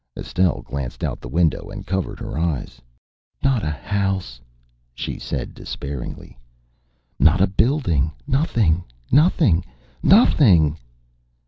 Estelle glanced out of the window and covered her eyes. "Not a house," she said despairingly. "Not a building. Nothing, nothing, nothing!"